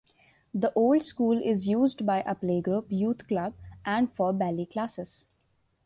The old school is used by a playgroup youth club and for ballet classes.